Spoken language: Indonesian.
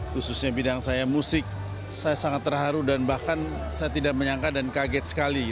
khususnya bidang saya musik saya sangat terharu dan bahkan saya tidak menyangka dan kaget sekali